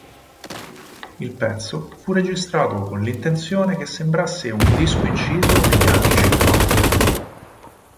Il pezzo fu registrato con l'intenzione che sembrasse un disco inciso negli anni cinquanta.